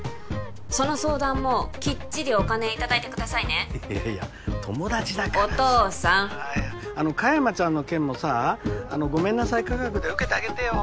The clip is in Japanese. その相談もきっちりお金いただいてくださいねいやいや友達だからお父さん香山ちゃんの件もさごめんなさい価格で受けてあげてよ